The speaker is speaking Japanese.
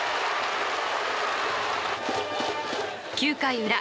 ９回裏。